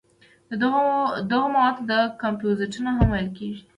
دغو موادو ته کمپوزېټونه هم ویل کېږي.